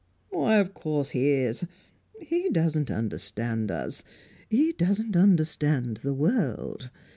"Why, of course he is. He doesn't understand us. He doesn't understand the world.